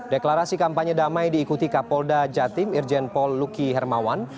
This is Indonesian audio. deklarasi kampanye damai diikuti kapolda jatim irjen pol luki hermawan